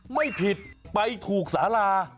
ไม่ผิดไปถูกสารา